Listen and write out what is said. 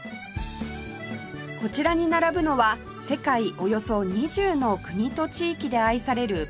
こちらに並ぶのは世界およそ２０の国と地域で愛されるパンの数々